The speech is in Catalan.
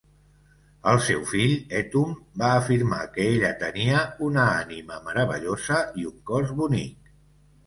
El seu fill Hethum va afirmar que ella tenia una ànima meravellosa i un cos bonic.